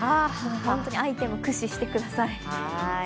アイテムを駆使してください。